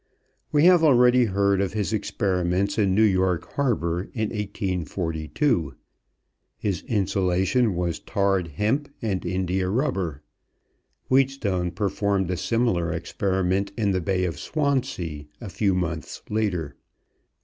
We have already heard of his experiments in New York Harbor in 1842. His insulation was tarred hemp and India rubber. Wheatstone performed a similar experiment in the Bay of Swansea a few months later.